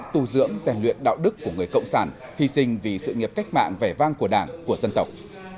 tù dưỡng rèn luyện đạo đức của người cộng sản hy sinh vì sự nghiệp cách mạng vẻ vang của đảng của dân tộc